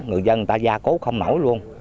người dân người ta gia cố không nổi luôn